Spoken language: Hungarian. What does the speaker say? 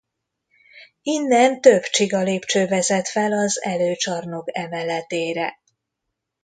Innen több csigalépcső vezet fel az előcsarnok emeletére.